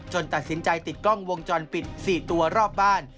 ตัดสินใจติดกล้องวงจรปิด๔ตัวรอบบ้าน